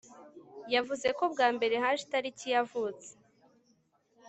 Yavuze ko bwa mbere haje itariki yavutse